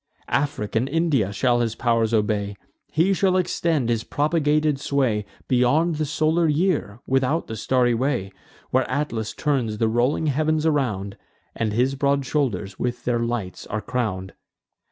Afric and India shall his pow'r obey; He shall extend his propagated sway Beyond the solar year, without the starry way, Where Atlas turns the rolling heav'ns around, And his broad shoulders with their lights are crown'd.